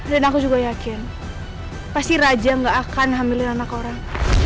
dan aku juga yakin pasti raja nggak akan hamilin anak orang